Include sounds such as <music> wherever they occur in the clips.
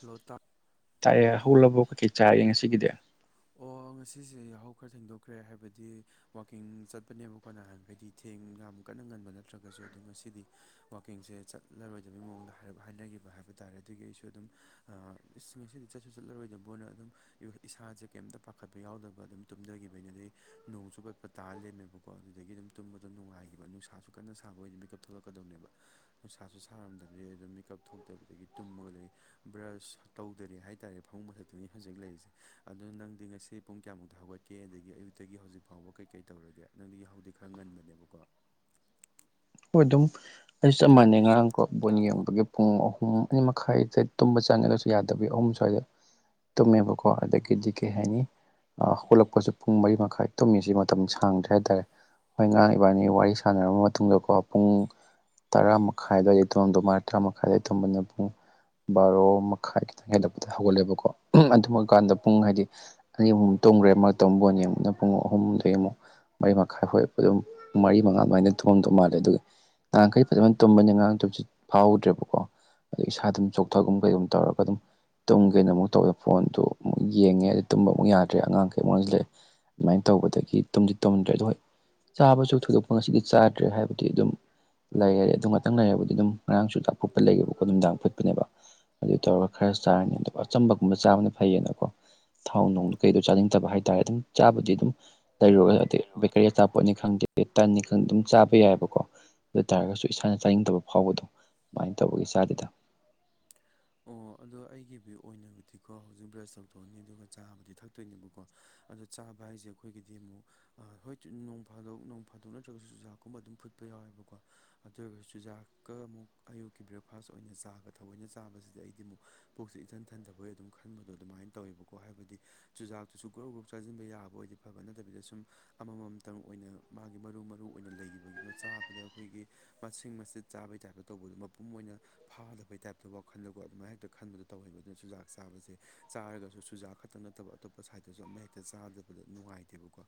ꯂꯣꯇꯥ ꯇꯥꯢꯑꯦ ꯍꯧꯒꯠꯂꯕꯣ ꯀꯩꯀꯩ ꯆꯥꯔꯒꯦ ꯉꯁꯤꯒꯤꯗꯤ ꯑꯣ ꯉꯁꯤꯁꯦ ꯌꯥꯍꯧ ꯈꯔ ꯊꯦꯡꯗꯣꯛꯈ꯭ꯔꯦ ꯍꯥꯏꯕꯗꯤ ꯋꯥꯀꯤꯡ ꯆꯠꯄꯅꯦꯕꯀꯣ ꯅꯍꯥꯟꯒꯩꯗꯤ ꯊꯦꯡ ꯌꯥꯝ ꯀꯟꯅ ꯉꯟꯕ ꯅꯠꯇ꯭ꯔꯒꯁꯨ ꯑꯗꯨ ꯉꯁꯤꯗꯤ ꯋꯥꯥꯛꯀꯤꯡꯁꯦ ꯆꯠꯂꯔꯣꯏꯗꯕꯩ ꯃꯑꯣꯡꯗ ꯍꯥꯏꯞ ꯍꯥꯏꯅꯒꯤꯕ ꯍꯥꯏꯕ ꯇꯥꯔꯦ ꯑꯗꯨꯒꯤ ꯑꯩꯁꯨ ꯑꯗꯨꯝ ꯑꯥ ꯏꯁ ꯑꯁꯤꯗꯤ ꯆꯠꯁꯨ ꯆꯠꯂꯔꯣꯏꯗꯕꯣꯅ ꯑꯗꯨꯝ <unintelligible> ꯏꯁꯥꯁꯦ ꯀꯩꯝꯇ ꯄꯥꯈꯠꯄ ꯌꯥꯎꯗꯕ ꯑꯗꯨꯝ ꯇꯨꯝꯊꯒꯤꯕꯩꯅꯦ ꯑꯗꯩ ꯅꯣꯡꯁꯨ ꯄꯠ ꯄꯠ ꯇꯥ ꯂꯩꯔꯝꯃꯦꯕꯀꯣ ꯑꯗꯨꯗꯒꯤ ꯑꯗꯨꯝ ꯇꯨꯝꯕꯗꯣ ꯅꯨꯡꯉꯥꯏꯒꯤꯕ ꯅꯨꯡꯁꯥꯁꯨ ꯀꯟꯅ ꯁꯥꯕ ꯑꯣꯏꯗꯤ ꯃꯤꯀꯞ ꯊꯣꯛꯂꯛꯀꯗꯧꯅꯦꯕ ꯅꯨꯡꯁꯥꯁꯨ ꯁꯥꯔꯝꯗꯕꯗꯩ ꯑꯗꯨꯝ ꯃꯤꯀꯞ ꯊꯣꯛꯇꯕꯗꯒꯤ ꯇꯨꯝꯃꯒ ꯂꯩ ꯕ꯭ꯔꯁ ꯇꯧꯗꯔꯤ ꯍꯥꯏꯇꯥꯔꯦ ꯐꯃꯨꯡ ꯃꯊꯛꯇꯅꯤ ꯍꯧꯖꯤꯛ ꯂꯩꯔꯤꯁꯦ ꯑꯗꯨ ꯅꯪꯗꯤ ꯉꯁꯤ ꯄꯨꯡ ꯀꯌꯥꯃꯨꯛꯇ ꯍꯧꯒꯠꯀꯦ ꯑꯗꯒꯤ ꯑꯌꯨꯛꯇꯒꯤ ꯍꯧꯖꯤꯛ ꯐꯥꯎꯕ ꯀꯩꯀꯩ ꯇꯧꯔꯒꯦ ꯅꯪꯗꯤ ꯌꯥꯍꯧꯗꯤ ꯈꯔ ꯉꯟꯕꯅꯦꯕꯀꯣ ꯎꯗꯨꯝ ꯑꯩꯁꯨ ꯆꯞ ꯃꯥꯟꯅꯩ ꯉꯔꯥꯡꯀꯣ ꯕꯣꯟ ꯌꯦꯡꯕꯒꯤ ꯄꯨꯡ ꯑꯍꯨꯝ ꯑꯅꯤ ꯃꯈꯥꯏꯗ ꯇꯨꯝꯕ ꯆꯪꯉꯦ ꯑꯗꯨꯁꯨ ꯌꯥꯗꯕꯤ ꯑꯍꯨꯝ ꯁ꯭ꯋꯥꯏꯗ ꯇꯨꯝꯃꯦꯕꯀꯣ ꯑꯗꯒꯤꯗꯤ ꯀꯩ ꯍꯥꯏꯅꯤ ꯑ ꯍꯧꯒꯠꯂꯛꯄꯁꯨ ꯄꯨꯡ ꯃꯔꯤ ꯃꯈꯥꯏ ꯇꯨꯝꯃꯤꯁꯤ ꯃꯇꯝ ꯁꯥꯡꯗ꯭ꯔꯦ ꯍꯥꯏꯇꯥꯔꯦ ꯍꯣꯏ ꯉꯥꯡ ꯏꯕꯥꯅꯤ ꯋꯥꯔꯤ ꯁꯥꯟꯅꯔꯕ ꯃꯇꯨꯡꯗꯀꯣ ꯄꯨꯡ ꯇꯔꯥ ꯃꯈꯥꯏ ꯑꯗ꯭ꯋꯥꯢꯗꯩ ꯇꯨꯝꯃꯝꯗꯧ ꯃꯥꯜꯂꯦ ꯇꯔꯥ ꯃꯈꯥꯏꯗꯩ ꯇꯨꯝꯕꯅ ꯄꯨꯡ ꯕꯥꯔꯣ ꯃꯈꯥꯏ ꯈꯤꯇꯪ ꯍꯦꯜꯂꯛꯄꯗ ꯍꯧꯒꯠꯂꯦꯕꯀꯣ ꯑꯗꯨꯝꯀꯥꯟꯗ ꯄꯨꯡ ꯍꯥꯏꯗꯤ ꯑꯅꯤ ꯑꯍꯨꯝ ꯇꯨꯝꯒ꯭ꯔꯦ ꯃꯔꯛꯇ ꯑꯃꯨꯛ ꯕꯣꯟ ꯌꯦꯡꯕꯗꯨꯅ ꯄꯨꯡ ꯑꯍꯨꯝꯗꯩ ꯑꯃꯨꯛ ꯃꯔꯤ ꯃꯈꯥꯏ ꯍꯣꯢ ꯑꯗꯨꯝ ꯃꯔꯤ ꯃꯉꯥ ꯑꯗꯨꯃꯥꯏꯅ ꯇꯨꯝꯃꯝꯗꯧ ꯃꯥꯜꯂꯤ ꯑꯗꯨꯒ ꯅꯍꯥꯟꯈꯩ ꯐꯖꯅ ꯇꯨꯝꯕꯅꯤ ꯉꯔꯥꯡ ꯇꯨꯝꯁꯤꯠ ꯐꯥꯍꯧꯗ꯭ꯔꯦꯕꯀꯣ <unintelligible> ꯏꯁꯥ ꯑꯗꯨꯝ ꯆꯣꯛꯊꯒꯨꯝ ꯀꯩꯒꯨꯝ ꯇꯧꯔꯒ ꯑꯗꯨꯝ ꯇꯨꯝꯒꯦꯅ ꯑꯃꯨꯛ ꯇꯧꯋꯦ ꯐꯣꯟꯗꯨ ꯑꯃꯨꯛ ꯌꯦꯡꯉꯦ ꯑꯗꯩ ꯇꯨꯝꯕ ꯑꯃꯨꯛ ꯌꯥꯗ꯭ꯔꯦ ꯑꯉꯥꯡꯈꯩꯃꯨꯛ ꯑꯣꯟꯖꯤꯜꯂꯛꯑꯦ ꯑꯗꯨꯃꯥꯏꯅ ꯇꯧꯕꯗꯒꯤ ꯇꯨꯝꯗꯤ ꯇꯨꯝꯗ꯭ꯔꯦ ꯑꯗꯣ ꯍꯣꯏ ꯆꯥꯕꯁꯨ ꯊꯣꯏꯗꯣꯛꯄ ꯉꯁꯤꯗꯤ ꯆꯥꯗ꯭ꯔꯦ ꯍꯥꯏꯕ ꯇꯤ ꯗꯨꯝ ꯂꯩꯔꯦ ꯑꯗꯨ ꯉꯥꯛꯇꯪ ꯂꯩꯔꯕꯗꯤ ꯑꯗꯨꯝ ꯉꯔꯥꯡꯁꯨ ꯆꯨꯖꯥꯛ ꯐꯨꯠꯄ ꯂꯩꯌꯦꯕꯀꯣ ꯅꯨꯡꯗꯥꯡ ꯐꯨꯠꯄꯅꯦꯕ ꯑꯗꯨ ꯇꯧꯔꯒ ꯈꯔ ꯆꯥꯔꯅꯤ ꯑꯗꯨꯒ ꯑꯆꯝꯕꯒꯨꯝꯕ ꯆꯥꯕꯅ ꯐꯩꯌꯦꯅꯀꯣ ꯊꯥꯎ ꯅꯨꯡ ꯀꯩꯗꯣ ꯆꯥꯅꯤꯡꯇꯕ ꯍꯥꯏꯇꯥꯔꯦ ꯑꯗꯨꯝ ꯆꯥꯕꯗꯤ ꯑꯗꯨꯝ ꯂꯩ <unintelligible> ꯕꯦꯀꯔꯤ ꯑꯆꯥꯄꯣꯠꯅꯤ ꯈꯪꯗꯦ ꯇꯟꯅꯤ ꯈꯪ ꯑꯗꯨꯝ ꯆꯥꯕ ꯌꯥꯏꯕꯣ ꯀꯣ ꯑꯗꯨ ꯇꯥꯔꯒꯁꯨ ꯏꯁꯥꯅ ꯆꯥꯅꯤꯡꯗꯕ ꯐꯥꯎꯕꯗꯣ ꯑꯗꯨꯃꯥꯏꯅ ꯇꯧꯕꯒꯤ ꯆꯥꯗꯦꯗ ꯑꯣ ꯑꯗꯣ ꯑꯩꯒꯤ <unintelligible> ꯑꯣꯏꯅꯕꯨꯗꯤꯀꯣ ꯍꯧꯖꯤꯛ ꯕ꯭ꯔꯁ ꯇꯧꯊꯣꯛꯑꯅꯤ ꯑꯗꯨꯒ ꯆꯥꯕꯨꯗꯤ ꯊꯛ ꯇꯣꯏꯅꯦꯕꯀꯣ ꯑꯗꯣ ꯆꯥꯕ ꯍꯥꯏꯁꯦ ꯑꯩꯈꯣꯏꯒꯤꯗꯤ ꯑꯃꯨꯛ ꯍꯣꯏ ꯅꯣꯡ ꯐꯥꯗꯣꯛ ꯅꯣꯡ ꯐꯥꯗꯣꯛ ꯅꯠꯇ꯭ꯔꯒꯁꯨ ꯆꯨꯖꯥꯛꯀꯨꯝꯕ ꯑꯗꯨꯝ ꯐꯨꯠꯄ ꯌꯥꯎꯋꯦꯕꯀꯣ ꯑꯗꯨ ꯑꯣꯏꯒ ꯆꯨꯖꯥꯛꯀ ꯑꯃꯨꯛ ꯑꯌꯨꯛꯀꯤ ꯕ꯭ꯔꯦꯛꯐꯥꯁ ꯑꯣꯏꯅ ꯆꯥꯒ ꯊꯑꯣꯏꯅ ꯆ ꯆꯥꯕꯁꯤꯗ ꯑꯩꯗꯤ ꯑꯃꯨꯛ ꯄꯨꯛꯁꯦ ꯏꯊꯟ ꯊꯟꯊꯕꯣꯏ ꯑꯗꯨꯝ ꯈꯟꯕꯗꯣ ꯑꯗꯨꯃꯥꯏꯅ ꯇꯧꯋꯦꯕꯀꯣ ꯍꯥꯏꯕꯗꯤ ꯆꯨꯖꯥꯛꯇꯨꯁꯨ ꯒ꯭ꯔꯨꯞ ꯒ꯭ꯔꯨꯞ ꯆꯥꯖꯤꯟꯕ ꯌꯥꯕ ꯑꯣꯏꯗꯤ ꯐꯕ ꯅꯠꯇꯕꯤꯗ ꯁꯨꯝ ꯑꯃꯃꯝꯇꯪ ꯑꯣꯏꯅ ꯃꯥꯒꯤ ꯃꯔꯨ ꯃꯔꯨ ꯑꯣꯏꯅ ꯂꯩꯈꯤꯕꯒꯤꯀꯣ ꯆꯥꯕꯗ ꯑꯩꯈꯣꯏꯒꯤ ꯃꯁꯤꯡ ꯃꯆꯦꯠ ꯆꯥꯕꯩ ꯇꯥꯏꯞꯇ ꯇꯧꯕꯗꯨ ꯃꯄꯨꯝ ꯑꯣꯏꯅ ꯐꯥꯗꯕꯩ ꯇꯥꯏꯞ ꯑꯗꯨ ꯋꯥꯈꯜꯗꯒꯣ ꯑꯗꯨꯃꯥꯏꯅ ꯍꯦꯛꯇ ꯈꯟꯕꯗꯣ ꯇꯧꯍꯩꯕ ꯑꯗꯨꯅ ꯆꯨꯖꯥꯛ ꯆꯥꯕꯁꯦ ꯆꯥꯔꯒꯁꯨ ꯆꯨꯖꯥꯛ ꯈꯛꯇ ꯅꯠꯇꯕ ꯑ ꯑꯇꯣꯞꯄ ꯁꯥꯏꯗꯇꯁꯨ ꯑꯃ ꯍꯦꯛꯇ ꯆꯥꯗꯕꯗ ꯅꯨꯡꯉꯥꯏꯇꯦꯕꯀꯣ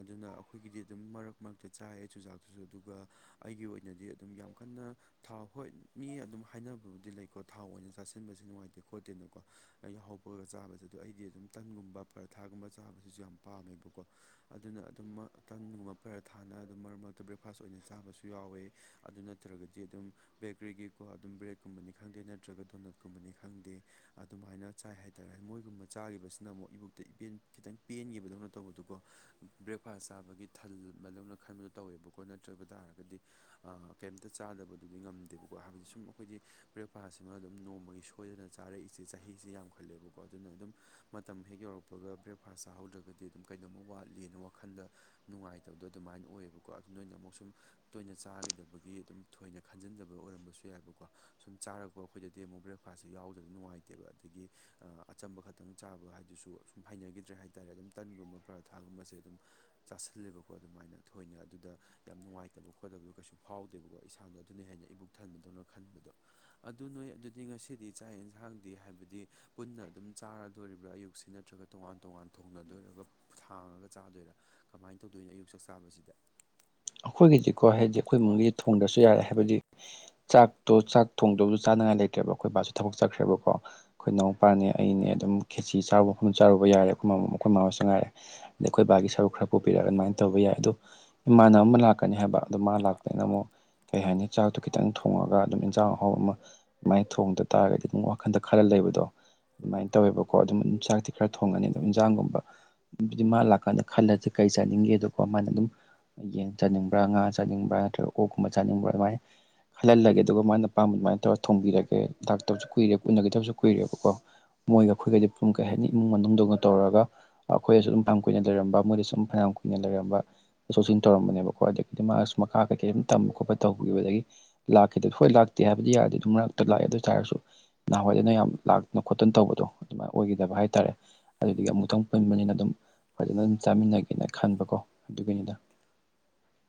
ꯑꯗꯨꯅ ꯑꯩꯈꯣꯏꯒꯤꯗꯤ ꯑꯗꯨꯝ ꯃꯔꯛ ꯃꯔꯛꯇ ꯆꯥꯏ ꯆꯨꯖꯥꯛꯇꯨꯁꯨ ꯑꯗꯨꯒ ꯑꯩꯒꯤ ꯑꯣꯏꯅꯗꯤ ꯑꯗꯨꯝ ꯌꯥꯝ ꯀꯟꯅ ꯊꯥꯎ ꯍꯣꯏ ꯃꯤ ꯑꯗꯨꯝ ꯍꯥꯏꯅꯕꯕꯨꯗꯤ ꯂꯩ꯫ ꯀꯣ ꯊꯥꯎ ꯑꯣꯏꯅ ꯆꯥꯁꯤꯟꯕꯁꯨ ꯅꯨꯡꯉꯥꯏꯇꯦ ꯈꯣꯠꯇꯦꯅꯀꯣ ꯑꯩ ꯌꯥꯍꯧꯕꯒ ꯆꯥꯕꯖꯦ ꯑꯗꯣ ꯑꯩꯗꯤ ꯑꯗꯨꯝ ꯇꯟꯒꯨꯝꯕ ꯄꯔꯊꯥꯒꯨꯝꯕ ꯆꯥꯕꯁꯤꯁꯨ ꯌꯥꯝ ꯄꯥꯝꯃꯦꯕꯀꯣ꯫ ꯑꯗꯨꯅ ꯑꯗꯨꯝꯃ ꯇꯟꯒꯨꯝꯕ ꯄꯔꯊꯥꯅ ꯑꯗꯨꯝ ꯃꯔꯛ ꯃꯔꯛꯇ ꯕ꯭ꯔꯦꯛꯐꯥꯁ ꯑꯣꯏꯅ ꯆꯥꯕꯁꯨ ꯌꯥꯎꯋꯦ꯫ ꯑꯗꯨ ꯅꯠꯇ꯭ꯔꯒꯗꯤ ꯑꯗꯨꯝ ꯕꯦꯀꯔꯤꯒꯤꯀꯣ ꯑꯗꯨꯝ ꯕ꯭ꯔꯦꯗꯀꯨꯝꯕꯅꯤ ꯈꯪꯗꯦ ꯅꯠꯇ꯭ꯔꯒ ꯗꯣꯅꯠꯀꯨꯝꯕꯅꯤ ꯈꯪꯗꯦ꯫ ꯑꯗꯨꯃꯥꯏꯅ ꯆꯥꯏ ꯍꯥꯏꯇꯥꯔꯦ ꯃꯣꯏꯒꯨꯝꯕ ꯆꯥꯈꯤꯕꯁꯤꯅ ꯑꯃꯨꯛ ꯏꯕꯨꯛꯇ ꯏꯄꯦꯟ ꯈꯤꯇꯪ ꯄꯦꯟꯈꯤꯕꯗꯧꯅ ꯇꯧꯕꯗꯨꯀꯣ꯫ ꯕ꯭ꯔꯦꯛꯐꯥꯁ ꯆꯥꯕꯒꯤ ꯊꯜ ꯕꯗꯧꯅ ꯈꯟꯕꯗꯣ ꯇꯧꯋꯦꯕꯀꯣ ꯅꯠꯇ꯭ꯔꯕ ꯇꯥꯔꯒꯗꯤ ꯑ ꯀꯩꯝꯇ ꯆꯥꯗꯕꯗꯨꯗꯤ ꯉꯝꯗꯦꯕꯀꯣ ꯍꯥꯏꯕꯗꯤ ꯁꯨꯝ ꯑꯩꯈꯣꯏꯗꯤ ꯕ꯭ꯔꯦꯛꯐꯥꯁꯁꯤꯃ ꯑꯗꯨꯝ ꯅꯣꯡꯃꯒꯤ ꯁꯣꯏꯗꯅ ꯆꯥꯔꯛꯏꯁꯦ ꯆꯍꯤꯁꯦ ꯌꯥꯝꯈꯠꯂꯦꯕꯀꯣ ꯑꯗꯨꯅ ꯑꯗꯨꯝ ꯃꯇꯝ ꯍꯦꯛ ꯌꯧꯔꯛꯄꯒ ꯕ꯭ꯔꯦꯛꯐꯥꯁ ꯆꯥꯍꯧꯗ꯭ꯔꯒꯗꯤ ꯑꯗꯨꯝ ꯀꯩꯗꯧꯝꯃ ꯋꯥꯠꯂꯤꯅ ꯋꯥꯈꯜꯗ ꯅꯨꯡꯉꯥꯏꯇꯕꯗꯣ ꯑꯗꯨꯃꯥꯏꯅ ꯑꯣꯏꯌꯦꯕꯀꯣ ꯑꯗꯨ ꯅꯣꯏꯅ ꯑꯃꯨꯛ ꯁꯨꯝ ꯇꯣꯏꯅ ꯆꯥꯈꯤꯗꯕꯒꯤ ꯑꯗꯨꯝ ꯊꯣꯏꯅ ꯈꯟꯖꯤꯟꯗꯕ ꯑꯣꯏꯔꯝꯕꯁꯨ ꯌꯥꯏꯕꯀꯣ꯫ ꯁꯨꯝ ꯆꯥꯔꯛꯄ ꯑꯩꯈꯣꯏꯗꯗꯤ ꯑꯃꯨꯛ ꯕ꯭ꯔꯦꯛꯐꯥꯁꯁꯦ ꯌꯥꯎꯗ꯭ꯔꯗꯤ ꯅꯨꯡꯉꯥꯏꯇꯦꯕ ꯑꯗꯒꯤ ꯑ ꯑꯆꯝꯕ ꯈꯛꯇꯪ ꯆꯥꯕ ꯍꯥꯏꯗꯨꯁꯨꯨ ꯑꯁ ꯍꯩꯅꯈꯤꯗ꯭ꯔꯦ ꯍꯥꯏꯇꯥꯔꯦ ꯑꯗꯨꯝ ꯇꯟꯒꯨꯝꯕ ꯄꯔꯥꯊꯥꯒꯨꯝꯕꯁꯦ ꯑꯗꯨꯝ ꯆꯥꯁꯜꯂꯦꯕꯀꯣ ꯑꯗꯨꯃꯥꯏꯅ ꯊꯣꯏꯅ ꯑꯗꯨꯗ ꯌꯥꯝ ꯅꯨꯡꯉꯥꯏꯇꯕ ꯈꯣꯠꯇꯕꯗꯣ ꯀꯩꯁꯨ ꯐꯥꯎꯗꯦꯕꯀꯣ ꯏꯁꯥꯗ ꯑꯗꯨꯅ ꯍꯦꯟꯅ ꯏꯕꯨꯛ ꯊꯟꯕꯗꯧꯅ ꯈꯟꯕꯗꯣ꯫ ꯑꯗꯨ ꯅꯣꯏ ꯑꯗꯨꯗꯤ ꯉꯁꯤꯗꯤ ꯆꯥꯛ ꯌꯦꯟꯁꯥꯡꯗꯤ ꯍꯥꯏꯕꯗꯤ ꯄꯨꯟꯅ ꯑꯗꯨꯝ ꯆꯥꯔꯗꯣꯔꯤꯕ꯭ꯔꯥ ꯑꯌꯨꯛꯁꯤ ꯅꯠꯇ꯭ꯔꯒ ꯇꯣꯉꯥꯟ-ꯇꯣꯉꯥꯟ ꯊꯣꯡꯅꯗꯣꯏꯔꯒ ꯊꯥꯡꯉꯒ ꯆꯥꯗꯣꯏꯔꯥ꯫ ꯀꯃꯥꯏꯅ ꯇꯧꯗꯣꯏꯅꯣ ꯑꯌꯨꯛ ꯆꯛ ꯆꯥꯕꯁꯤꯗ꯫ ꯑꯩꯈꯣꯏꯒꯤꯗꯤꯀꯣ ꯍꯥꯏꯗꯤ ꯑꯩꯈꯣꯏ ꯏꯃꯨꯡꯒꯤꯗꯤ ꯊꯣꯡꯗ꯭ꯔꯁꯨ ꯌꯥꯔꯦ ꯍꯥꯏꯕꯗꯤ ꯆꯥꯛꯇꯣ ꯆꯥꯛ ꯊꯣꯡꯗꯧꯁꯨ ꯆꯥꯅꯉꯥꯏ ꯂꯩꯇ꯭ꯔꯦꯕ ꯑꯩꯈꯣꯏ ꯕꯥꯁꯨ ꯊꯕꯛ ꯆꯠꯈ꯭ꯔꯦꯕꯀꯣ꯫ ꯑꯩꯈꯣꯏ ꯏꯅꯥꯎꯄꯥꯅꯦ ꯑꯩꯅꯦ ꯑꯗꯨꯝ ꯈꯦꯆꯤ ꯆꯥꯔꯨꯕ ꯃꯐꯝ ꯆꯥꯔꯨꯕ ꯌꯥꯔꯦ ꯑꯩꯈꯣꯏꯃ ꯑꯩꯈꯣꯏ ꯃꯃꯥꯁꯨ ꯉꯥꯏꯔꯦ꯫ ꯑꯗ ꯑꯩꯈꯣꯏ ꯕꯥꯒꯤ ꯁꯔꯨꯛ ꯈꯔ ꯄꯨꯕꯤꯔꯛꯑꯒ ꯑꯗꯨꯃꯥꯏꯅ ꯇꯧꯕ ꯌꯥꯏ ꯑꯗꯣ ꯏꯃꯥꯟꯅ ꯃ ꯑꯃ ꯂꯥꯛꯀꯅꯤ ꯍꯥꯏꯕ ꯑꯗꯣ ꯃꯥ ꯂꯥꯛꯄꯩꯅ ꯑꯃꯨꯛ ꯀꯩ ꯍꯥꯏꯅꯤ ꯆꯥꯛꯇꯣ ꯈꯤꯇꯪ ꯊꯣꯡꯉꯒ ꯑꯗꯨꯝ ꯏꯟꯖꯥꯡ ꯑꯍꯥꯎꯕ ꯑꯃ ꯑꯗꯨꯃꯥꯏꯅ ꯊꯣꯡꯗ ꯇꯥꯔꯒꯗꯤ ꯑꯗꯨꯝ ꯋꯥꯈꯟꯗ ꯈꯜꯂ ꯂꯩꯕꯗꯣ꯫ ꯑꯗꯨꯃꯥꯏꯅ ꯇꯧꯋꯦꯕꯀꯣ ꯑꯗꯨꯝ ꯆꯥꯛꯇꯤ ꯈꯔ ꯊꯣꯡꯉꯅꯤ ꯑꯗꯨꯝ ꯏꯟꯖꯥꯡꯒꯨꯝꯕ ꯑꯗꯨꯗꯤ ꯃꯥ ꯂꯥꯛꯀꯥꯟꯗ ꯈꯜꯂꯖꯤ ꯀꯩ ꯆꯥꯅꯤꯡꯒꯦꯗꯀꯣ ꯃꯥꯅ ꯑꯗꯨꯝ ꯌꯦꯟ ꯆꯥꯅꯤꯡꯕ꯭ꯔꯥ ꯉꯥ ꯆꯥꯅꯤꯡꯕ꯭ꯔꯥ ꯅꯠꯇ꯭ꯔꯒ ꯑꯣꯛꯀꯨꯝꯕ ꯆꯥꯅꯤꯡꯕ꯭ꯔꯥ ꯑꯗꯨꯃꯥꯏꯅ ꯍꯜꯍꯜꯂꯒꯦ ꯑꯗꯨꯒ ꯃꯥꯅ ꯄꯥꯝꯕ ꯑꯗꯨꯃꯥꯏꯅ ꯇꯧꯔ ꯊꯣꯡꯕꯤꯔꯒꯦ ꯂꯥꯛꯇꯕꯁꯨ ꯀꯨꯏꯔꯦ ꯎꯅꯒꯤꯗꯕꯁꯨ ꯀꯨꯏꯔꯦꯕꯀꯣ꯫ ꯃꯣꯏꯒ ꯑꯩꯈꯣꯏꯒꯩꯗꯤ ꯄꯨꯡ ꯀꯩ ꯍꯥꯏꯅꯤ ꯏꯃꯨꯡ ꯃꯅꯨꯡꯗꯧꯅ ꯇꯧꯔꯒ ꯑꯩꯈꯣꯏꯗꯁꯨ ꯑꯗꯨꯝ ꯐꯅꯌꯥꯝ ꯀꯨꯏꯅ ꯂꯩꯔꯝꯕ ꯃꯣꯏꯗꯁꯨ ꯐꯅꯌꯥꯝ ꯀꯨꯏꯅ ꯂꯩꯔꯝꯕ ꯑꯁꫭꯁꯤꯡ ꯇꯧꯔꯝꯕꯅꯦꯕ꯫ ꯍꯣꯏ ꯑꯗꯒꯤꯗꯤ ꯃꯥꯁꯨ ꯃꯈꯥ ꯀꯩꯀꯩ ꯑꯗꯨꯝ ꯇꯝꯕ ꯈꯣꯠꯄ ꯇꯧꯈꯤꯕꯗꯒꯤ ꯂꯥꯛꯈꯤꯗꯦ ꯍꯣꯏ ꯂꯥꯛꯇꯦ ꯍꯥꯏꯕꯗꯤ ꯌꯥꯗꯦ ꯑꯗꯨꯝ ꯃꯔꯛꯇ ꯂꯥꯛꯑꯦ ꯑꯗꯨ ꯇꯥꯔꯁꯨ ꯅꯍꯥꯟꯋꯥꯏꯗꯅ ꯌꯥꯝ ꯂꯥꯛꯇꯅ ꯈꯣꯠꯇꯅ ꯇꯧꯕꯗꯣ ꯑꯗꯨꯃꯥꯏꯅ ꯑꯣꯏꯒꯤꯗꯕ ꯍꯥꯏꯇꯥꯔꯦ꯫ ꯑꯗꯨꯗꯒꯤ ꯑꯃꯨꯛꯇꯪ ꯄꯨꯟꯕꯅꯤꯅ ꯑꯗꯨꯝ ꯐꯖꯅ ꯑꯗꯨꯝ ꯆꯥꯃꯤꯟꯅꯒꯦꯅ ꯈꯟꯕꯀꯣ ꯑꯗꯨꯒꯤꯅꯤꯗ꯫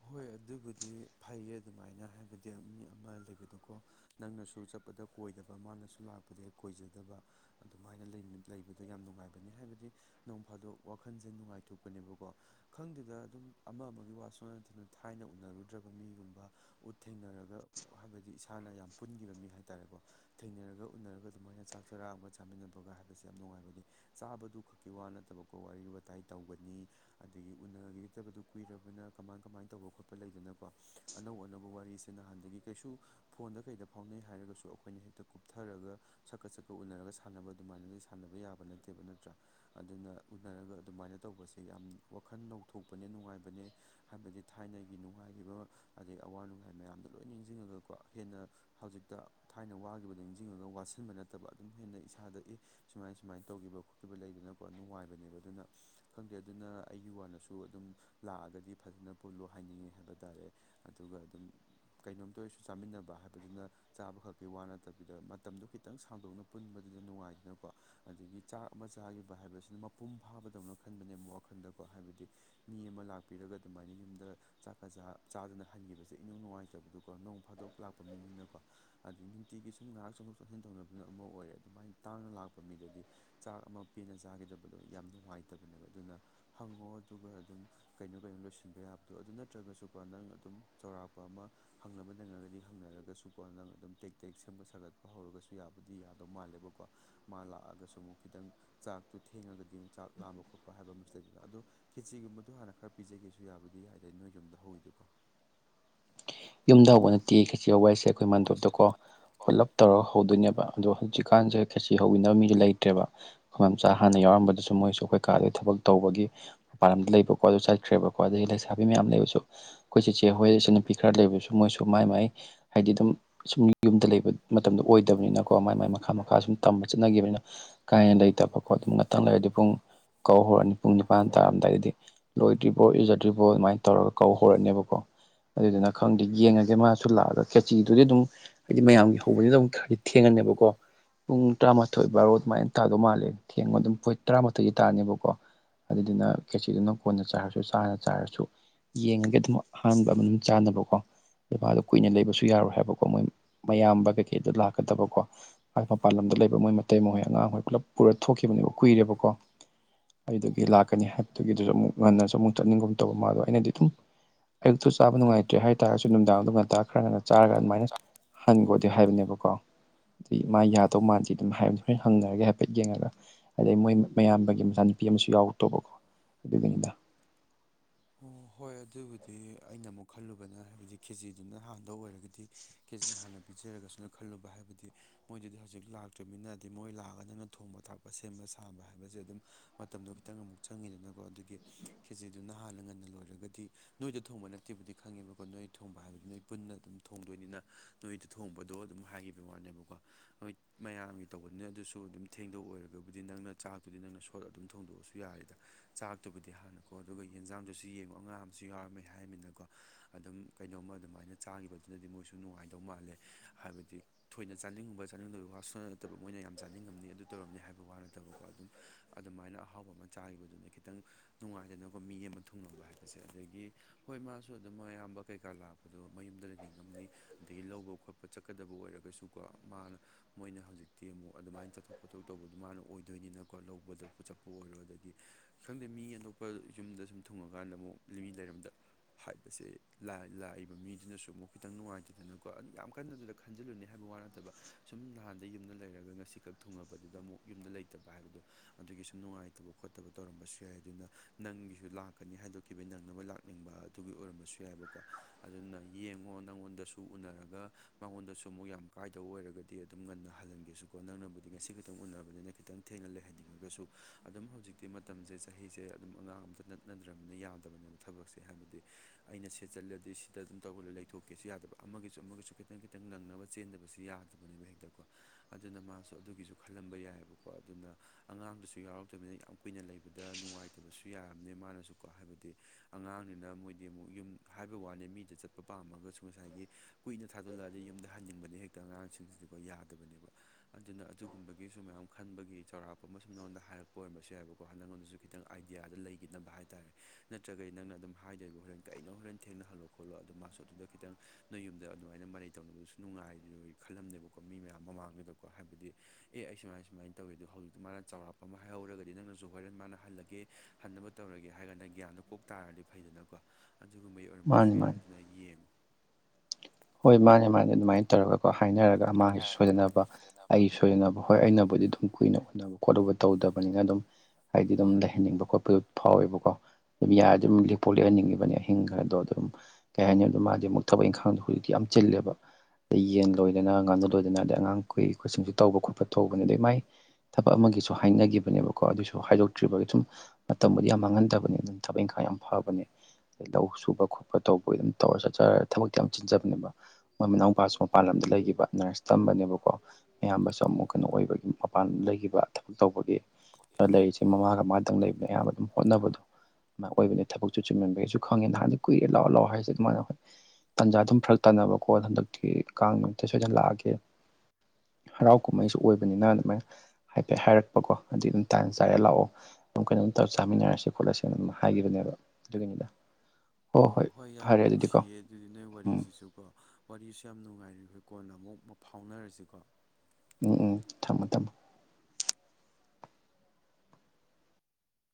ꯍꯣꯏ ꯑꯗꯨꯕꯨꯗꯤ ꯐꯩꯌꯦ ꯑꯗꯨꯃꯥꯏꯅ ꯍꯥꯏꯕꯗꯤ ꯃꯤ ꯑꯃ ꯂꯩꯕꯗꯣꯀꯣ ꯅꯪꯅꯁꯨ ꯆꯠꯄꯗ ꯀꯣꯏꯗꯕ ꯃꯥꯅꯁꯨ ꯂꯥꯛꯄꯗ ꯍꯦꯛ ꯀꯣꯏꯖꯗꯕ꯫ ꯑꯗꯨꯃꯥꯏꯅ ꯂꯩꯃꯤꯟ ꯂꯩꯕꯗꯣ ꯌꯥꯝ ꯅꯨꯡꯉꯥꯏꯕꯅꯤ ꯍꯥꯏꯕꯗꯤ ꯅꯣꯡ ꯐꯥꯗꯣꯛ ꯋꯥꯈꯜꯁꯦ ꯅꯨꯡꯉꯥꯏꯊꯣꯛꯄꯅꯦꯕꯀꯣ ꯈꯪꯗꯦꯗ ꯑꯗꯨꯝ ꯑꯃ ꯑꯃꯒꯤ ꯋꯥ ꯁꯨꯛꯅꯠ ꯅꯠꯇꯦ ꯅ ꯊꯥꯏꯅ ꯎꯅꯔꯨꯗ꯭ꯔꯕ ꯃꯤꯒꯨꯝꯕ ꯎꯠ ꯊꯦꯡꯅꯔꯒ ꯍꯥꯏꯕꯗꯤ ꯏꯁꯥꯅ ꯌꯥꯝ ꯄꯨꯟꯒꯤꯕ ꯃꯤ ꯍꯥꯏ ꯇꯔꯦꯀꯣ ꯊꯦꯡꯅꯔꯒ ꯎꯅꯔꯒ ꯑꯗꯨꯃꯥꯏꯅ ꯆꯥꯛ ꯆꯔꯥ ꯑꯃ ꯆꯥꯃꯤꯟꯅꯕꯒ ꯍꯥꯏꯕꯁꯦ ꯌꯥꯝ ꯅꯨꯡꯉꯥꯏꯕꯅꯤ꯫ ꯆꯥꯕꯗꯨ ꯈꯛꯀꯤ ꯋꯥ ꯅꯠꯇꯕꯀꯣ ꯋꯥꯔꯤ ꯋꯥꯇꯥꯏ ꯇꯧꯒꯅꯤ ꯑꯗꯒꯤ ꯎꯅꯒꯤꯗꯕꯗꯨ ꯀꯨꯏꯔꯕꯅ ꯀꯃꯥꯟ ꯀꯃꯥꯏꯟ ꯇꯧꯕ ꯈꯣꯠꯄ ꯂꯩꯗꯅꯀꯣ ꯑꯅꯧ ꯑꯅꯧꯕ ꯋꯥꯔꯤꯁꯤ ꯅꯍꯥꯟꯗꯥꯒꯤ ꯀꯩꯁꯨ ꯐꯣꯟꯗ ꯀꯩꯗ ꯐꯥꯎꯅꯩ ꯍꯥꯏꯔꯒꯥꯁꯨ ꯑꯈꯣꯏꯅ ꯍꯦꯛꯇꯥ ꯀꯨꯞꯊꯔꯒ ꯁꯛꯀꯥ ꯁꯛꯀꯥ ꯎꯅꯔꯒ ꯁꯥꯟꯅꯕ ꯑꯗꯨꯃꯥꯏꯅꯗꯤ ꯁꯥꯟꯅꯕ ꯌꯥꯕ ꯅꯠꯇꯦꯕ ꯅꯠꯇ꯭ꯔꯥ ꯑꯗꯨꯅ ꯎꯅꯔꯒ ꯑꯗꯨꯃꯥꯏꯅ ꯇꯧꯕꯁꯦ ꯌꯥꯝ ꯋꯥꯈꯜ ꯅꯧꯊꯣꯛꯄꯅꯦ ꯅꯨꯡꯉꯥꯏꯕꯅꯦ ꯍꯥꯏꯕꯗꯤ ꯊꯥꯏꯅꯒꯤ ꯅꯨꯡꯉꯥꯏꯒꯤꯕ ꯑꯗꯩ ꯑꯋꯥ ꯅꯨꯡꯉꯥꯏ ꯃꯌꯥꯝꯗꯣ ꯂꯣꯏ ꯅꯤꯡꯖꯤꯡꯉꯒꯥꯀꯣ ꯍꯦꯟꯅ ꯍꯧꯖꯤꯛꯇꯥ ꯊꯥꯏꯅ ꯋꯥꯒꯤꯕꯗꯨꯣ ꯅꯤꯡꯖꯤꯡꯉꯒꯥ ꯋꯥꯠꯁꯤꯟꯕ ꯅꯠꯇꯕ ꯑꯗꯨꯝ ꯍꯦꯟꯅ ꯏꯁꯥꯗ ꯑꯦ ꯁꯨꯃꯥꯏ ꯁꯨꯃꯥꯏꯟ ꯇꯧꯒꯤꯕ ꯈꯣꯠꯈꯤꯕ ꯂꯩꯗꯅꯀꯣ ꯅꯨꯡꯉꯥꯏꯕꯅꯦꯕ ꯑꯗꯨꯅ ꯈꯪꯗꯦ ꯑꯗꯨꯅ ꯑꯩꯒꯤ ꯋꯥꯅꯁꯨ ꯑꯗꯨꯝ ꯂꯥꯛꯑꯒꯗꯤ ꯐꯖꯅ ꯄꯨꯜꯂꯣ ꯍꯥꯏꯅꯤꯡꯉꯦ ꯍꯥꯏꯕ ꯇꯥꯔꯦ ꯑꯗꯨꯒ ꯑꯗꯨꯝ ꯀꯩꯅꯣꯝꯇꯥ ꯑꯣꯏꯔꯁꯨ ꯆꯥꯃꯤꯟꯅꯕ ꯍꯥꯏꯕꯗꯨꯅ ꯆꯥꯕꯈꯛꯀꯤ ꯋꯥ ꯅꯠꯇꯕꯤꯗ ꯃꯇꯝꯗꯣ ꯈꯤꯇꯪ ꯁꯥꯡꯗꯣꯛꯅ ꯄꯨꯟꯕꯗꯨꯗ ꯅꯨꯡꯉꯥꯏꯗꯅꯀꯣ ꯑꯗꯒꯤ ꯆꯥꯛ ꯑꯃ ꯆꯥꯒꯤꯕ ꯍꯥꯏꯕꯁꯤꯅ ꯃꯄꯨꯝ ꯐꯥꯕꯗꯧꯅ ꯈꯟꯕꯅꯦꯕ ꯋꯥꯈꯜꯗꯀꯣ ꯍꯥꯏꯕꯗꯤ ꯃꯤ ꯑꯃ ꯂꯥꯛꯄꯤꯔꯒ ꯑꯗꯨꯃꯥꯏꯅ ꯌꯨꯝꯗ ꯆꯥꯛꯀꯖꯥ ꯆꯥꯗꯅ ꯍꯟꯒꯤꯕꯁꯦ ꯏꯅꯨꯡ ꯅꯨꯡꯉꯥꯏꯇꯕꯗꯨꯀꯣ ꯅꯣꯡ ꯐꯥꯗꯣꯛ ꯂꯥꯛꯄ ꯃꯤꯅꯤꯅꯀꯣ ꯑꯗꯩ ꯅꯨꯡꯇꯤꯒꯤ ꯁꯨꯝ ꯉꯍꯥꯛ ꯆꯪꯊꯣꯛ ꯆꯡꯁꯤꯟ ꯇꯧꯅꯕꯗꯨ ꯑꯃ ꯑꯣꯏꯔꯦ ꯑꯗꯨꯃꯥꯏꯅ ꯇꯥꯡꯅ ꯂꯥꯛꯄ ꯃꯤꯗꯗꯤ ꯆꯥꯛ ꯑꯃ ꯄꯦꯟꯅ ꯆꯥꯒꯤꯗꯕꯗꯣ ꯌꯥꯝ ꯅꯨꯡꯉꯥꯏꯇꯕꯅꯦꯕ ꯑꯗꯨꯅ ꯍꯪꯉꯣ ꯑꯗꯨꯒ ꯑꯗꯨꯝ ꯀꯩꯅꯣ ꯀꯩꯅꯣ ꯂꯣꯏꯁꯤ <unintelligible> ꯕ ꯌꯥꯕꯗꯣ ꯑꯗꯨ ꯅꯠꯇ꯭ꯔꯥꯒꯁꯨꯀꯣ ꯅꯪ ꯑꯗꯨꯝ ꯆꯥꯎꯔꯥꯛꯄ ꯑꯃ ꯍꯪꯅꯕ ꯅꯪꯉꯒꯥꯗꯤ ꯍꯪꯅꯔꯒꯥꯁꯨꯀꯣ ꯅꯪ ꯑꯗꯨꯝ ꯇꯦꯛ ꯇꯦꯛ ꯁꯦꯝꯒꯠ ꯁꯥꯒꯠꯄ ꯍꯧꯔꯒꯁꯨ ꯌꯥꯕꯗꯤ ꯌꯥꯗꯧ ꯃꯥꯜꯂꯦꯕꯀꯣ ꯃꯥ ꯂꯥꯛꯑꯒꯥꯁꯨ ꯑꯃꯨꯛ ꯈꯤꯇꯪ ꯆꯥꯛꯇꯨ ꯊꯦꯡꯉꯒꯥꯗꯤ ꯃꯨꯛ ꯆꯥꯛ ꯂꯥꯝꯕ ꯈꯣꯠꯄ ꯍꯥꯏꯕ ꯑꯃꯁꯨ ꯂꯩꯗꯅ ꯑꯗꯨ ꯈꯦꯆ꯭ꯔꯤꯒꯨꯝꯕꯗꯣ ꯍꯥꯟꯅ ꯈꯔ ꯄꯤꯖꯒꯦꯁꯨ ꯌꯥꯕꯨꯗꯤ ꯌꯥꯏꯗ ꯅꯣꯏ ꯌꯨꯝꯗ ꯍꯧꯋꯤꯗꯣꯀꯣ ꯌꯨꯝꯗ ꯍꯧꯕ ꯅꯠꯇꯤꯌꯦ ꯈꯦꯆ꯭ꯔꯤ ꯍꯧꯕ ꯍꯥꯏꯁꯦ ꯑꯈꯣꯏ ꯃꯥꯟꯗꯣꯞꯇꯥꯀꯣ ꯄꯨꯜꯂꯞ ꯇꯧꯔꯒ ꯍꯧꯗꯣꯏꯅꯦꯕ ꯑꯗꯣ ꯍꯧꯖꯤꯛꯀꯥꯟꯖꯦ ꯈꯦꯆꯤ ꯍꯧꯕꯤꯟꯅꯕ ꯃꯤꯖꯦ ꯂꯩꯇ꯭ꯔꯦꯕ ꯑꯈꯣꯏꯑꯝꯆꯥ ꯍꯥꯟꯅ ꯌꯥꯎꯔꯝꯕꯗꯨꯁꯨ ꯃꯣꯏꯁꯨ ꯈꯣꯏ ꯀꯥꯗ ꯊꯕꯛ ꯇꯧꯕꯒꯤ ꯃꯄꯥꯟ ꯂꯝꯗ ꯂꯩꯕꯀꯣ ꯑꯗꯨ ꯆꯠꯈ꯭ꯔꯦꯕꯀꯣ ꯑꯗꯒꯤ ꯂꯩꯁꯥꯕꯤ ꯃꯌꯥꯝ ꯂꯩꯕꯁꯨ ꯈꯣꯏ ꯆꯦꯆꯦ ꯍꯣꯏ ꯏꯆꯟ ꯅꯨꯞ ꯄꯤ ꯈꯔ ꯂꯩꯕꯁꯨ ꯃꯣꯏꯁꯨ ꯃꯥꯏ ꯃꯥꯏ ꯍꯥꯏꯗꯤ ꯗꯨꯝ ꯁꯨꯝ ꯌꯨꯝꯗ ꯂꯩꯕ ꯃꯇꯝꯗꯣ ꯑꯣꯏꯗꯕꯅꯤꯅꯀꯣ ꯃꯥꯏ ꯃꯥꯏ ꯃꯈꯥ ꯃꯈꯥ ꯁꯨꯝ ꯇꯝꯕ ꯆꯠꯅꯒꯤꯕꯅꯤꯅ ꯀꯥ ꯍꯦꯟꯅ ꯂꯩꯇꯕ ꯀꯣ ꯑꯗꯨꯝ ꯉꯥꯛꯇꯪ ꯂꯩꯔꯗꯤ ꯄꯨꯡ ꯀꯧ ꯍꯧꯔꯛꯑꯅꯤ ꯄꯨꯡ ꯅꯤꯄꯥꯟ ꯇꯥꯔꯝꯗꯥꯏꯗꯗꯤ ꯂꯣꯏꯗ꯭ꯔꯤꯕꯣ ꯏꯔꯨꯖꯗ꯭ꯔꯤꯕꯣ ꯑꯗꯨꯃꯥꯏꯅ ꯇꯧꯔꯒ ꯀꯧ ꯍꯧꯔꯛꯑꯅꯤꯕꯀꯣ ꯑꯗꯨꯗꯨꯅ ꯈꯪꯗꯦ ꯌꯦꯡꯉꯒꯦ ꯃꯥꯁꯨ ꯂꯥꯛꯑꯒꯥ ꯈꯦꯆꯤꯗꯨꯗꯤ ꯑꯗꯨꯝ ꯍꯥꯏꯗꯤ ꯃꯌꯥꯝꯒꯤ ꯍꯧꯕꯅꯤꯅ ꯑꯃꯨꯛ ꯈꯔꯗꯤ ꯊꯦꯡꯉꯅꯤꯕꯀꯣ ꯄꯨꯡ ꯇꯔꯥꯃꯥꯊꯣꯏ ꯕꯥꯔꯣ ꯑꯗꯨꯃꯥꯏꯅ ꯇꯥꯗꯧ ꯃꯥꯜꯂꯦ ꯊꯦꯡꯉꯣ ꯑꯗꯨꯝ ꯇꯔꯥꯃꯥꯊꯣꯏꯗꯤ ꯇꯥꯅꯤꯕꯀꯣ ꯑꯗꯨꯗꯨꯅ ꯈꯦꯆꯤꯗꯨꯅ ꯀꯣꯟꯅ ꯆꯥꯔꯁꯨ ꯆꯥꯛ ꯍꯥꯟꯅ ꯆꯥꯔꯁꯨ ꯌꯦꯡꯉꯒꯦ ꯑꯗꯨꯝꯃꯛ ꯍꯥꯡꯕ <unintelligible> ꯆꯥꯅꯕꯀꯣ ꯅꯨꯄꯥꯗꯣ ꯀꯨꯏꯅ ꯂꯩꯕꯁꯨ ꯌꯥꯔꯣꯏ ꯍꯥꯏꯕꯀꯣ ꯃꯣꯏ ꯃꯌꯥꯝꯕ ꯀꯩꯀꯩꯗꯣ ꯂꯥꯛꯀꯥꯗꯕꯀꯣ <unintelligible> ꯃꯄꯥꯟ ꯂꯝꯗ ꯂꯩꯕ ꯃꯣꯏ ꯃꯇꯩꯃꯍꯣꯏ ꯑꯉꯥꯡꯍꯣꯏ ꯄꯨꯂꯞ ꯄꯨꯔꯥ ꯊꯣꯛꯈꯤꯕꯅꯦꯕ ꯀꯨꯏꯔꯦꯕꯀꯣ ꯑꯩꯗꯨꯒꯤ ꯂꯥꯛꯀꯥꯅꯤ ꯍꯥꯏꯕꯗꯨꯒꯤꯗꯨꯁꯨ ꯑꯃꯨꯛ ꯉꯟꯅꯁꯨ ꯑꯃꯨꯛ ꯆꯠꯅꯤꯡꯒꯨꯝ ꯇꯧꯕ ꯃꯥꯗꯣ ꯑꯩꯅꯗꯤ ꯗꯨꯝ ꯑꯌꯨꯛꯇꯥ ꯆꯥꯕ ꯅꯨꯡꯉꯥꯏꯇ꯭ꯔꯦ ꯍꯥꯏꯇꯥꯔꯁꯨ ꯅꯨꯡꯗꯥꯡꯗꯨ ꯉꯟꯇꯥ ꯈꯔ ꯉꯟꯅ ꯆꯥꯔꯒ ꯑꯗꯨꯃꯥꯏꯅ ꯍꯟꯒꯣꯗꯤ ꯍꯥꯏꯕꯅꯦꯕꯀꯣ ꯑꯗꯩ ꯃꯥ ꯌꯥꯗꯧ ꯃꯥꯟꯗꯦ ꯑꯗꯨꯝ ꯍꯥꯏꯕꯅꯦ ꯍꯣꯔꯦꯟ ꯍꯪꯅꯔꯒꯦ ꯍꯥꯏꯐꯦꯠ ꯌꯦꯡꯉꯒ ꯑꯗꯩ ꯃꯣꯏ ꯃꯌꯥꯝꯕꯒꯤ ꯃꯆꯥꯅꯨꯄꯤ ꯑꯃꯁꯨ ꯌꯥꯎꯔꯛꯇꯣꯕꯀꯣ ꯑꯗꯨꯒꯤꯅꯤꯗ ꯑꯣ ꯍꯣꯏ ꯑꯗꯨꯕꯨꯗꯤ ꯑꯩꯅ ꯑꯃꯨꯛ ꯈꯜꯂꯨꯕꯅ ꯍꯨꯖꯤꯛ ꯈꯦꯆꯤꯗꯨꯅ ꯍꯥꯟꯗꯧ ꯑꯣꯏꯔꯒꯥꯗꯤ ꯀꯦꯆꯤ ꯍꯥꯟꯅ ꯄꯤꯖꯔꯒꯥꯁꯨꯅ ꯈꯜꯂꯨꯕ ꯍꯥꯏꯕꯗꯤ ꯃꯣꯏꯗꯨꯗꯤ ꯍꯧꯖꯤꯛ ꯂꯥꯛꯇ꯭ꯔꯤꯝꯅꯤꯅꯗꯤ ꯃꯣꯏ ꯂꯥꯛꯑꯒ ꯅꯪꯅ ꯊꯣꯡꯕ ꯊꯥꯛꯄ ꯁꯦꯝꯕ ꯁꯥꯕ ꯍꯥꯏꯕꯖꯦ ꯑꯗꯨꯝ ꯃꯇꯝꯗꯣ ꯈꯤꯇꯪ ꯑꯃꯨꯛ ꯆꯪꯉꯤꯅꯤꯅꯀꯣ ꯑꯗꯨꯗꯤ ꯈꯦꯆꯤꯗꯨꯅ ꯍꯥꯟꯅ ꯉꯟꯅ ꯂꯣꯏꯔꯒꯗꯤ ꯅꯣꯏꯗ ꯊꯣꯡꯕ ꯅꯠꯇꯦꯕꯨꯗꯤ ꯈꯪꯉꯦꯕꯀꯣ ꯅꯣꯏ ꯊꯣꯡꯕ ꯍꯥꯏꯕꯗꯤ ꯅꯣꯏ ꯄꯨꯟꯅ ꯑꯗꯨꯝ ꯊꯣꯡꯗꯨꯏꯅꯤꯅ ꯅꯣꯏꯗ ꯊꯣꯡꯕꯗꯣ ꯑꯗꯨꯝ ꯍꯥꯏꯒꯤꯕꯩ ꯋꯥꯅꯦꯕꯀꯣ ꯍꯣꯏ ꯃꯌꯥꯝꯒꯤ ꯇꯧꯕꯅꯤꯅ ꯑꯗꯨꯁꯨ ꯑꯗꯨꯝ ꯊꯦꯡꯗꯧ ꯑꯣꯏꯔꯒꯕꯨꯗꯤ ꯅꯪꯅ ꯆꯥꯛꯇꯨꯗꯤ ꯅꯪꯅ ꯁꯣꯠ ꯑꯗꯨꯝ ꯊꯣꯡꯗꯣꯛꯑꯁꯨ ꯌꯥꯔꯦꯗ ꯆꯥꯛꯇꯨꯕꯨꯗꯤ ꯍꯥꯟꯅꯀꯣ ꯑꯗꯨꯒ ꯌꯦꯟꯖꯥꯡꯗꯨꯁꯨ ꯌꯦꯡꯉꯣ ꯑꯉꯥꯡ ꯑꯃꯁꯨ ꯌꯥꯎꯔꯝꯃꯦ ꯍꯥꯏꯃꯤꯅꯀꯣ ꯑꯗꯨꯝ ꯀꯩꯅꯣꯝꯃ ꯑꯗꯨꯃꯥꯏꯅ ꯆꯥꯒꯤꯕꯗꯨꯅꯗꯤ ꯃꯣꯏꯁꯨ ꯅꯨꯡꯉꯥꯏꯗꯧ ꯃꯥꯜꯂꯦ ꯍꯥꯏꯕꯗꯤ ꯊꯣꯏꯅ ꯆꯥꯅꯤꯡꯉꯨꯕ ꯆꯥꯅꯤꯡꯗꯕꯩ ꯋꯥ ꯁꯨꯡꯅꯠ ꯅꯠꯇꯕ ꯃꯣꯏꯅ ꯌꯥꯝ ꯆꯥꯅꯤꯡꯉꯝꯅꯤ ꯑꯗꯨ ꯇꯧꯔꯝꯅꯤ ꯍꯥꯏꯕ ꯋꯥ ꯅꯠꯇꯕꯀꯣ ꯑꯗꯨꯝ ꯑꯗꯨꯃꯥꯏꯅ ꯑꯍꯥꯎꯕ ꯑꯃ ꯆꯥꯒꯤꯕꯗꯨꯅ ꯈꯤꯇꯪ ꯅꯨꯡꯉꯥꯏꯗꯅ ꯃꯤ ꯑꯃ ꯊꯨꯡꯉꯕ ꯍꯥꯏꯕꯁꯦ ꯑꯗꯒꯤ ꯍꯣꯏ ꯃꯥꯁꯨ ꯑꯗꯨꯝ ꯃꯌꯥꯝꯕ ꯀꯩꯀꯥ ꯂꯥꯛꯄꯗꯣ ꯃꯌꯨꯝꯗ ꯂꯩꯅꯤꯡꯉꯝꯅꯤ ꯑꯗꯒꯤ ꯂꯧꯕ ꯈꯣꯠꯄ ꯆꯠꯀꯗꯕ ꯑꯣꯏꯔꯒꯁꯨꯀꯣ ꯃꯥꯅ ꯃꯣꯏꯅ ꯍꯧꯖꯤꯛꯇꯤ ꯑꯃꯨꯛ ꯑꯗꯨꯃꯥꯏꯟ ꯆꯠꯊꯣꯛ ꯈꯣꯠꯊꯣꯛ ꯇꯧꯕꯗꯨ ꯃꯥꯅ ꯑꯣꯏꯗꯣꯏꯅꯤꯅꯀꯣ ꯂꯧꯕꯗꯕꯨ ꯆꯞ ꯄꯨ ꯑꯣꯏꯔꯣ ꯑꯗꯒꯤ ꯈꯪꯗꯦ ꯃꯤ ꯑꯇꯣꯞꯄ ꯌꯨꯝꯗ ꯁꯨꯝ ꯊꯨꯡꯉꯀꯥꯟꯗ ꯑꯃꯨꯛ ꯂꯤꯃꯤ ꯂꯩꯔꯝꯗ ꯍꯥꯏꯕꯁꯦ ꯂꯥꯛ ꯂꯥꯛꯏꯕ ꯃꯤꯗꯨꯅꯁꯨ ꯑꯃꯨꯛ ꯈꯤꯇꯪ ꯅꯨꯡꯉꯥꯏꯇꯦꯗꯅꯀꯣ ꯑꯗꯨ ꯌꯥꯝ ꯀꯟꯅ ꯑꯗꯨꯗ ꯈꯟꯖꯤꯜꯂꯨꯅꯤ ꯍꯥꯏꯕ ꯋꯥ ꯅꯠꯇꯕ ꯁꯨꯝ ꯅꯍꯥꯟꯗꯩ ꯌꯨꯝꯗ ꯂꯩꯔꯒ ꯉꯁꯤꯈꯛ ꯊꯨꯡꯉꯕꯗꯨꯗ ꯑꯃꯨꯛ ꯌꯨꯝꯗ ꯂꯩꯇꯕ ꯍꯥꯏꯕꯗꯣ ꯑꯗꯨꯒꯤ ꯁꯨꯝ ꯅꯨꯡꯉꯥꯏꯇꯕ ꯈꯣꯠꯇꯕ ꯇꯧꯔꯝꯕꯁꯨ ꯌꯥꯏ ꯑꯗꯨꯅ ꯅꯪꯒꯤꯁꯨ ꯂꯥꯛꯀꯅꯤ ꯍꯥꯏꯗꯣꯛꯈꯤꯕꯩ ꯅꯪꯅꯕ ꯂꯥꯛꯅꯤꯡꯕ ꯑꯗꯨꯒꯤ ꯑꯣꯏꯔꯝꯕꯁꯨ ꯌꯥꯏꯕꯀꯣ ꯑꯗꯨꯅ ꯌꯦꯡꯉꯣ ꯅꯪꯉꯣꯟꯗꯁꯨ ꯎꯟꯅꯔꯒ ꯃꯥꯉꯣꯟꯗꯁꯨ ꯑꯃꯨꯛ ꯌꯥꯝ ꯀꯥꯏꯗꯧꯕ ꯑꯣꯏꯔꯒ ꯇꯤ ꯑꯗꯨꯝ ꯉꯟꯅ ꯍꯜꯍꯟꯒꯦꯁꯨꯀꯣ ꯅꯪꯅꯕꯨꯗꯤ ꯉꯁꯤ ꯈꯤꯇꯪ ꯎꯟꯅꯕꯅꯤꯅ ꯈꯤꯇꯪ ꯊꯦꯡꯅ ꯂꯩꯍꯟꯅꯤꯡꯉꯒꯁꯨ ꯑꯗꯨꯝ ꯍꯧꯖꯤꯛ ꯇꯤ ꯃꯇꯝꯖꯦ ꯆꯍꯤꯁꯦ ꯑꯗꯨꯝꯛ ꯑꯉꯥꯡ ꯑꯝꯇ ꯅꯠꯅꯗ꯭ꯔꯝꯅꯤ ꯌꯥꯗꯕꯅꯦꯕ ꯊꯕꯛꯁꯦ ꯍꯥꯏꯕꯗꯤ ꯑꯩꯅ ꯁꯦꯠꯆꯜꯂꯗꯤ ꯁꯤꯗ ꯑꯗꯨꯝ ꯇꯧꯔ ꯂꯩ ꯊꯣꯛꯀꯦꯁꯨ ꯌꯥꯗꯕ ꯑꯃꯒꯤꯁꯨ ꯑꯃꯒꯤꯁꯨ ꯈꯤꯇꯪ ꯈꯤꯇꯪ ꯅꯪꯅꯕ ꯆꯦꯟꯗꯕꯁꯨ ꯌꯥꯗꯕꯅꯦꯕ ꯍꯦꯛꯇꯀꯣ ꯑꯗꯨꯅ ꯃꯥꯁꯨ ꯑꯗꯨꯒꯤꯖꯨ ꯈꯜꯂꯝꯕ ꯌꯥꯏꯌꯦꯕꯀꯣ ꯑꯗꯨꯅ ꯑꯉꯥꯡꯗꯨꯁꯨ ꯌꯥꯎꯔꯛꯇꯕꯅꯤꯅ ꯌꯥꯝ ꯀꯨꯏꯅ ꯂꯩꯕꯗ ꯅꯨꯡꯉꯥꯏ ꯇꯕꯁꯨ ꯌꯥꯔꯝꯅꯤ ꯃꯥꯅꯁꯨꯀꯣ ꯍꯥꯏꯕꯗꯤ ꯑꯉꯥꯡꯅꯤꯅ ꯃꯣꯏꯗꯤ ꯑꯃꯨꯛ ꯌꯨꯝ ꯍꯥꯏꯕꯩ ꯋꯥꯅꯤ ꯃꯤꯗ ꯆꯠ ꯗꯣ ꯄꯥꯝꯃꯒꯁꯨ ꯉꯁꯥꯏꯒꯤ ꯀꯨꯏꯅ ꯊꯥꯗꯜꯂꯛꯑꯗꯤ ꯌꯨꯝꯗ ꯍꯟꯅꯤꯡꯕꯅꯦ ꯍꯦꯛꯇ ꯑꯉꯥꯡꯁꯤꯡꯁꯤꯗꯤꯀꯣ ꯌꯥꯗꯕꯅꯦꯕ ꯑꯗꯨꯅ ꯑꯗꯨꯒꯨꯝꯕꯒꯤꯁꯨ ꯃꯌꯥꯝ ꯈꯟꯕꯒꯤ ꯆꯥꯎꯔꯥꯛꯄ ꯑꯃ ꯁꯨꯝ ꯅꯪꯉꯣꯟꯗ ꯍꯥꯏꯔꯛꯄ ꯑꯣꯏꯔꯝꯕꯁꯨ ꯌꯥꯏꯌꯦꯕꯀꯣ ꯍꯟꯗꯛ ꯅꯪꯉꯣꯟꯗꯁꯨ ꯈꯤꯇꯪ ꯑꯥꯏꯗꯤꯌꯥꯗꯣ ꯂꯩꯒꯤꯅꯕ ꯍꯥꯏꯇꯥꯔꯦ ꯅꯠꯇ꯭ꯔꯒꯗꯤ ꯅꯪꯅ ꯑꯗꯨꯝ ꯍꯥꯏꯗꯣꯢꯕ ꯍꯣꯔꯦꯟ ꯀꯩꯅꯣ ꯍꯣꯔꯦꯟ ꯊꯦꯡꯅ ꯍꯜꯂꯣ ꯈꯣꯠꯂꯣ ꯑꯗꯣ ꯃꯥꯁꯨ ꯑꯗꯨꯗ ꯈꯤꯇꯪ ꯅꯣꯏ ꯌꯨꯝꯗ ꯑꯗꯨꯃꯥꯏꯅ ꯃꯔꯩ ꯇꯧꯅꯕꯗꯨꯁꯨ ꯅꯨꯡꯉꯥꯏꯒꯤꯔꯣꯏ ꯈꯜꯂꯝꯅꯦꯕꯀꯣ ꯃꯤ ꯃꯌꯥꯝ ꯃꯃꯥꯡꯗꯨꯗ ꯀꯣ ꯍꯥꯏꯕꯗꯤ ꯑꯦ ꯑꯩ ꯁꯨꯃꯥꯏ ꯁꯨꯃꯥꯏꯟ ꯇꯧꯋꯤꯗꯣ ꯍꯧꯖꯤꯛꯇꯨ ꯃꯥꯅ ꯆꯥꯎꯔꯥꯛꯄ ꯑꯃ ꯍꯥꯏꯍꯧꯔꯒꯗꯤ ꯅꯪꯅꯖꯨ ꯍꯣꯔꯦꯟ ꯃꯥꯅ ꯍꯜꯂꯒꯦ ꯍꯟꯅꯕ ꯇꯧꯔꯒꯦ ꯍꯥꯏꯔꯒꯅ ꯒ꯭ꯌꯥꯟꯗꯣ ꯀꯣꯛ ꯇꯥꯔꯗꯤ ꯐꯩꯗꯅꯀꯣ ꯑꯗꯨꯒꯨꯝꯕꯩ ꯑꯣꯏꯔꯝꯕꯁꯨ ꯃꯥꯅꯤ ꯌꯥꯏ ꯃꯥꯅꯤ ꯑꯗꯨ ꯅ ꯌꯦꯡꯉꯣ ꯍꯣꯏ ꯃꯥꯅꯦ ꯃꯥꯅꯦ ꯑꯗꯨꯃꯥꯏꯟ ꯇꯧꯔꯒꯀꯣ ꯍꯥꯏꯅꯔꯒ ꯃꯥꯒꯤꯁꯨ ꯁꯣꯏꯗꯅꯕ ꯑꯩꯒꯤꯁꯨ ꯁꯣꯢꯗꯅꯕ ꯍꯣꯏ ꯑꯩꯅꯕꯨꯗꯤ ꯑꯗꯨꯝ ꯀꯨꯏꯅ ꯍꯣꯠꯅꯕ ꯈꯣꯠꯂꯨꯕ ꯇꯧꯗꯕꯅꯤꯅ ꯑꯗꯨꯝ ꯍꯥꯏꯗꯤ ꯑꯗꯨꯝ ꯂꯩꯍꯟꯅꯤꯡꯕ ꯈꯣꯠꯄꯗꯨ ꯐꯥꯎꯋꯦꯕꯀꯣ ꯑꯗꯨꯝ ꯌꯥꯔꯦꯗꯤ ꯑꯗꯨꯝ ꯂꯦꯛꯄꯣꯛ ꯂꯦꯛꯍꯟꯅꯤꯡꯉꯤꯕꯅꯦ ꯑꯍꯤꯡꯒꯗꯣ ꯑꯗꯨꯝ ꯀꯩ ꯍꯥꯏꯅꯤ ꯑꯗꯨꯝ ꯃꯥꯗꯤ ꯑꯃꯨꯛ ꯊꯕꯛ ꯏꯪꯈꯥꯡꯗꯣ <unintelligible> ꯇꯤ ꯌꯥꯝ ꯆꯤꯜꯂꯦꯕ ꯑꯩ ꯌꯦꯟ ꯂꯣꯏꯗꯅ ꯉꯥꯅꯨ ꯂꯣꯏꯗꯅ ꯑꯗꯩ ꯑꯉꯥꯡ ꯀꯨꯏ ꯀꯣꯆꯤꯡꯁꯨ ꯇꯧꯕ ꯈꯣꯠꯄ ꯇꯧꯕꯅꯤ ꯑꯗꯩ ꯃꯥꯏ ꯊꯕꯛ ꯑꯃꯒꯤꯁꯨ ꯍꯥꯏꯅꯒꯤꯕꯅꯦꯕꯀꯣ ꯑꯗꯨꯁꯨ ꯍꯥꯏꯗꯣꯛꯇ꯭ꯔꯤꯕꯒꯤ ꯗꯨꯝ ꯃꯇꯝꯕꯨꯗꯤ ꯌꯥꯝ ꯃꯥꯡꯍꯟꯗꯕꯅꯦ ꯑꯗꯨꯝ ꯊꯕꯛ ꯏꯪꯈꯥꯡ ꯌꯥꯝ ꯐꯕꯅꯦ ꯑꯗꯩ ꯂꯧ ꯁꯨꯕ ꯈꯣꯠꯄ ꯇꯧꯕꯒꯤ ꯑꯗꯨꯝ ꯇꯧꯔ ꯆꯠꯆꯔ ꯊꯕꯛꯇꯤ ꯌꯥꯝ ꯆꯤꯟꯖꯕ <unintelligible> ꯃꯣꯏ ꯃꯅꯥꯎꯄꯥꯁꯨ ꯃꯄꯥꯟ ꯂꯝꯗ ꯂꯩꯒꯤꯕ ꯅꯔꯁ ꯇꯝꯕꯅꯦꯕꯀꯣ ꯃꯌꯥꯝꯕꯁꯨ ꯑꯃꯨꯛ ꯀꯩꯅꯣ ꯑꯣꯏꯕꯒꯤ ꯃꯄꯥꯟ ꯂꯩꯒꯤꯕ ꯊꯕꯛ ꯇꯧꯕꯒꯤ ꯑ ꯂꯩꯔꯤꯁꯦ ꯃꯃꯥꯒ ꯃꯥꯗꯪ ꯂꯩꯕꯅꯦ ꯑꯌꯥꯝꯕ ꯑꯗꯨꯝ ꯍꯣꯠꯅꯕꯗꯣ ꯑꯣꯏꯕꯅꯦ ꯊꯕꯛꯁꯨ ꯆꯤꯟꯃꯟꯕꯩ ꯑꯩꯁꯨ ꯈꯪꯉꯦ ꯅꯍꯥꯟ ꯀꯨꯏꯔꯦ ꯂꯥꯛꯑꯣ ꯂꯥꯛꯑꯣ ꯍꯥꯏꯁꯦ ꯑꯗꯨꯃꯥꯏꯟ ꯑꯣꯢ ꯇꯥꯟꯖꯥ ꯑꯗꯨꯝ ꯐꯔꯛ ꯇꯅꯕꯀꯣ ꯍꯟꯗꯛꯇꯤ ꯀꯥꯡ ꯅꯨꯃꯤꯠꯇ ꯁꯣꯏꯗꯅ ꯂꯥꯛꯑꯒꯦ ꯍꯔꯥꯎ ꯀꯨꯝꯍꯩꯁꯨ ꯑꯣꯏꯕꯅꯤꯅ ꯑꯗꯨꯃꯥꯏꯟ ꯍꯥꯏꯐꯦꯠ ꯍꯥꯏꯔꯛꯄꯀꯣ ꯑꯗꯨꯗꯤ ꯑꯗꯨꯝ ꯇꯥꯟ ꯆꯥꯔꯦ ꯂꯥꯛꯑꯣ ꯑꯗꯨꯝ ꯀꯩꯅꯣꯝ ꯇꯧ ꯆꯥꯃꯤꯟꯅꯔꯁꯤ ꯈꯣꯠꯂꯁꯤꯅ ꯑꯗꯨꯝ ꯍꯥꯏꯈꯤꯕꯅꯦꯕ ꯑꯗꯨꯒꯤꯅꯤꯗ ꯑꯣ ꯍꯣꯏ ꯌꯥꯝ ꯅꯨꯡꯁꯤꯌꯦ ꯑꯗꯨꯗꯤ ꯅꯣꯏ ꯎꯝ ꯋꯥꯔꯤꯁꯤꯁꯨꯀꯣ ꯋꯥꯔꯤꯁꯨ ꯌꯥꯝ ꯅꯨꯡꯉꯥꯏꯔꯤ ꯍꯣꯢ ꯀꯣꯟꯅ ꯑꯃꯨꯛ ꯐꯥꯎꯅꯔꯁꯤꯀꯣ ꯎꯝ ꯎꯝ ꯊꯝꯃꯣ ꯊꯝꯃꯣ